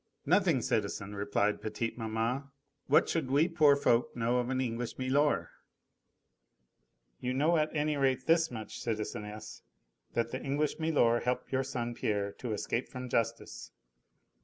"Nothing, citizen," replied petite maman, "what should we poor folk know of an English milor?" "You know at any rate this much, citizeness, that the English milor helped your son Pierre to escape from justice."